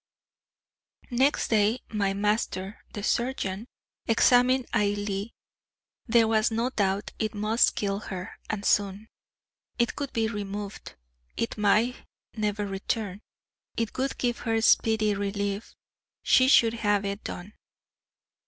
Next day, my master, the surgeon, examined Ailie. There was no doubt it must kill her, and soon. It could be removed it might never return it would give her speedy relief she should have it done.